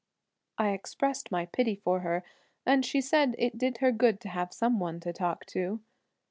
I expressed my pity for her, and she said it did her good to have some one to talk to.